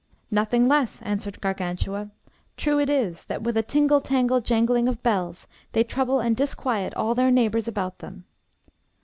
Nothing less, answered Gargantua. True it is, that with a tingle tangle jangling of bells they trouble and disquiet all their neighbours about them.